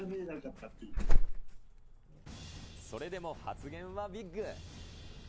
それでも発言はビッグ。